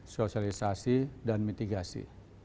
sosialisasi dan mitigasi